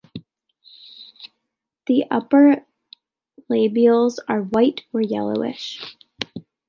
The upper labials are white or yellowish.